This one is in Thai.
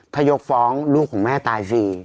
หากบอกป้องให้